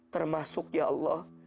termasuk ya allah